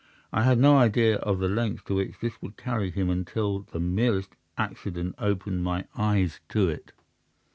I had no idea of the lengths to which this would carry him, until the merest accident opened my eyes to it.